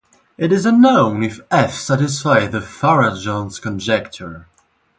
It is unknown if "F" satisfies the Farrell-Jones conjecture.